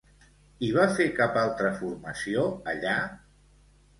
Hi va fer cap altra formació allà?